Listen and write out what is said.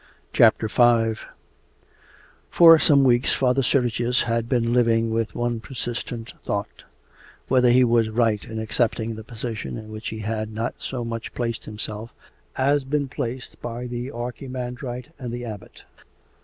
V For some weeks Father Sergius had been living with one persistent thought: whether he was right in accepting the position in which he had not so much placed himself as been placed by the Archimandrite and the Abbot.